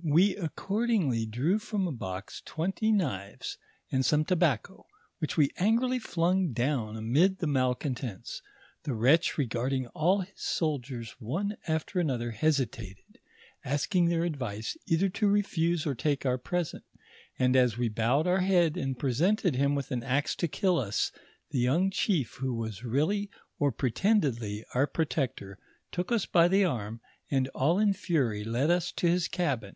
"We accordingly drew from a box twenty knives and some tobacco, which we angrily flung down amid the mal contents ; the wretch regarding all his soldiers one after an other hesitated, asking their advice, either to refuse or take our present ; and as we bowed our head and presented him with an axe to kill us, the young chief who was really or pre tendedly our protector took us by the arm, and all in fury led us to his cabin.